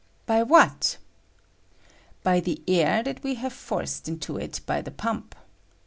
By what ? By the air that we have forced into it by the pump.